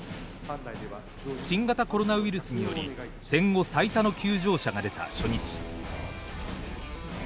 新型コロナウイルスにより戦後最多の休場者が出た初日。